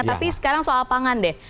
tapi sekarang soal pangan deh